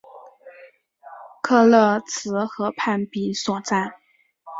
克勒兹河畔比索站。